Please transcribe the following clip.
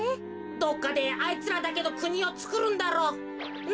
どっかであいつらだけのくにをつくるんだろう。な？